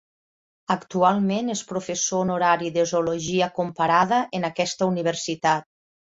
Actualment és professor honorari de zoologia comparada en aquesta universitat.